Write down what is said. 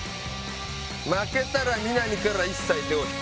負けたら、南から一切、手を引く。